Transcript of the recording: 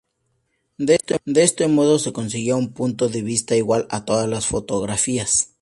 De este modo se conseguía un punto de vista igual a todas las fotografías.